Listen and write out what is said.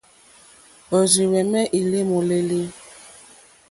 Òrzìhwɛ̀mɛ́ î lé môlélí.